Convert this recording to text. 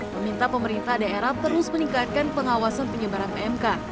meminta pemerintah daerah terus meningkatkan pengawasan penyebaran pmk